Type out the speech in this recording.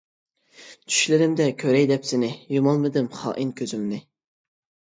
چۈشلىرىمدە كۆرەي دەپ سىنى، يۇمالمىدىم خائىن كۆزۈمنى.